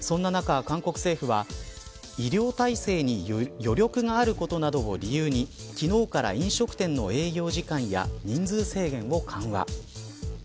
そんな中、韓国政府は医療体制に余力があることなどを理由に昨日から飲食店の営業時間や人数制限を緩和。